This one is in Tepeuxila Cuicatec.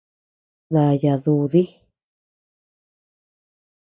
Dáaya dudi.